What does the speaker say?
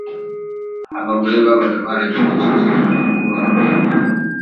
abagore babaga baragenyesheje abahungu babo